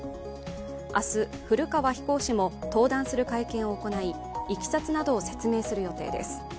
明日、古川飛行士も登壇する会見を行いいきさつなどを説明する予定です。